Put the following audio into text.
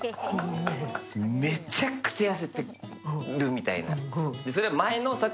めちゃくちゃやせてるみたいな。